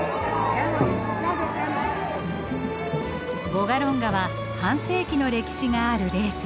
ヴォガロンガは半世紀の歴史があるレース。